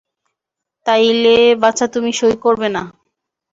তাইলে বাছা তুমি সঁই করবে না?